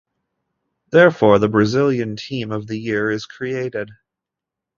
Therefore, the Brazilian team of the year is created.